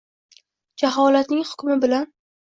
Jaholatning hukmi bilan